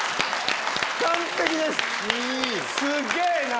すげぇな！